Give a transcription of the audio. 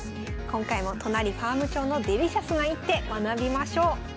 今回も都成ファーム長のデリシャスな一手学びましょう。